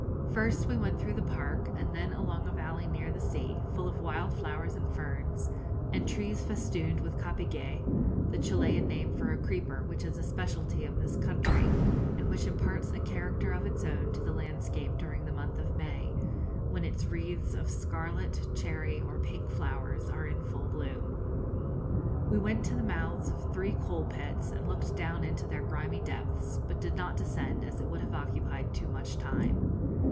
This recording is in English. First we went through the park, and then along a valley near the sea, full of wild flowers and ferns, and trees festooned with 'copigue,' the Chilian name for a creeper which is a speciality of this country, and which imparts a character of its own to the landscape during the month of May, when its wreaths of scarlet, cherry, or pink flowers are in full bloom. We went to the mouths of three coal pits, and looked down into their grimy depths, but did not descend, as it would have occupied too much time.